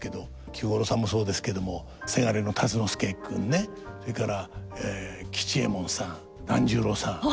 菊五郎さんもそうですけどもせがれの辰之助君ねそれから吉右衛門さん團十郎さん